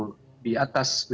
sekitar enam puluh tahun